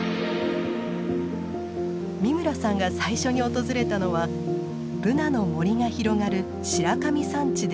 美村さんが最初に訪れたのはブナの森が広がる白神山地です。